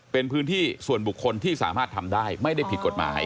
เป็นพื้นที่ส่วนบุคคลที่สามารถทำได้ไม่ได้ผิดกฎหมาย